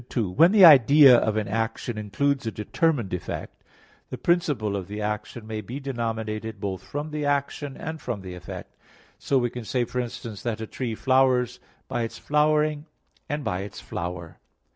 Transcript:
2: When the idea of an action includes a determined effect, the principle of the action may be denominated both from the action, and from the effect; so we can say, for instance, that a tree flowers by its flowering and by its flower.